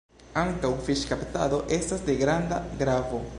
Ankaŭ fiŝkaptado estas de granda gravo.